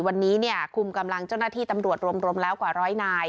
วันนี้คุมกำลังเจ้าหน้าที่ตำรวจรวมแล้วกว่าร้อยนาย